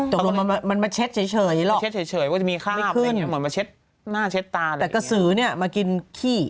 แต่ลงมันมีคาบเหมือนมาเช็ดหน้าเช็ดตาอะไรอย่างงี้โอ้โห